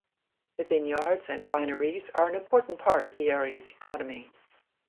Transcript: The vineyards and wineries are an important part of the area's economy.